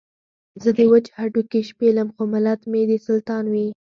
زه دې وچ هډوکي شپېلم خو ملت مې دې سلطان وي.